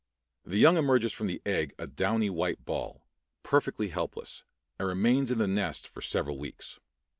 The young emerges from the egg a downy white ball, perfectly helpless, and remains in the nest for several weeks.